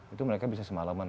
itu mereka bisa semalaman